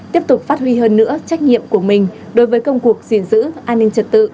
tiếp tục phát huy hơn nữa trách nhiệm của mình đối với công cuộc gìn giữ an ninh trật tự